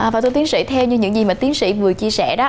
và thưa tiến sĩ theo như những gì mà tiến sĩ vừa chia sẻ đó